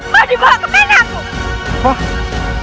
mau dibawa ke mana aku